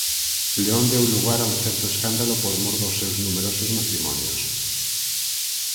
León deu lugar a un certo escándalo por mor dos seus numerosos matrimonios.